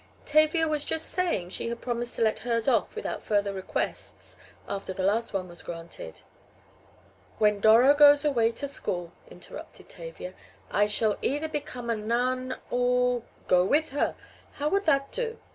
"Tavia was just saying she had promised to let hers off without further requests after the last was granted." "When Doro goes away to school," interrupted Tavia, "I shall either become a nun or " "Go with her! How would that do?"